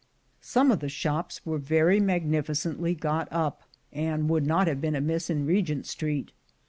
Some of the shops were very magnificently got up, and would not have been amiss in Regent Street.